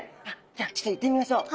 じゃあちょっと行ってみましょう。